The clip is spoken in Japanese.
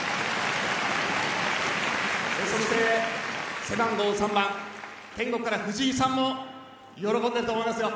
そして背番号３番天国から藤井さんも喜んでいると思いますよ。